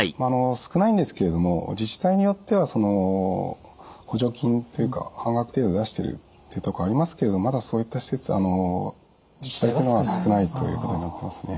少ないんですけれども自治体によっては補助金というか半額程度出してるっていうとこありますけれどまだそういった自治体というのは少ないということになってますね。